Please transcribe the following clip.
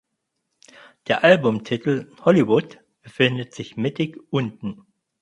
Der Albumtitel "Hollywood" befindet sich mittig unten.